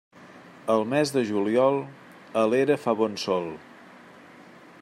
Al mes de juliol, a l'era fa bon sol.